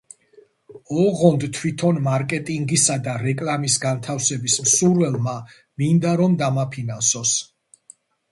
ოღონდ თვითონ მარკეტინგისა და რეკლამის განთავსების მსურველმა მინდა რომ დამაფინანსოს.